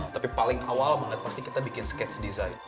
tapi paling awal banget pasti kita bikin sketch design